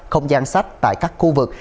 không gian sách tại các khu vực